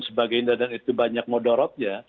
sebagainya dan itu banyak modorotnya